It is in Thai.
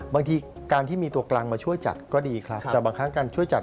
บางทีการที่มีตัวกลางมาช่วยจัดก็ดีครับแต่บางครั้งการช่วยจัด